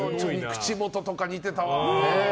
口元とか似てたわ。